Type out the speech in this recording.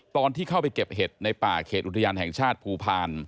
ตอนที่เข้าไปเก็บเห็ดในป่าเขตอุทยานแห่งชาติภูพาล